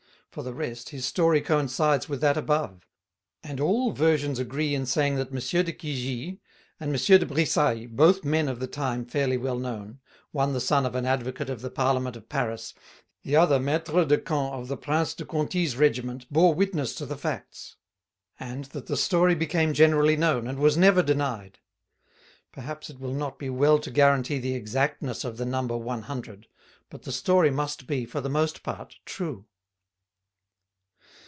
For the rest, his story coincides with that above. And all versions agree in saying that M. de Cuigy and M. de Brissailles both men of the time fairly well known: one the son of an Advocate of the Parliament of Paris, the other Mestre de Camp of the Prince de Conti's regiment bore witness to the facts; and that the story became generally known, and was never denied. Perhaps it will not be well to guarantee the exactness of the number one hundred; but the story must be for the most part true.